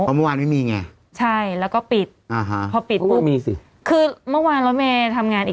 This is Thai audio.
เพราะเมื่อวานไม่มีไง